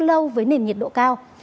lâu với nền nhiệt độ cao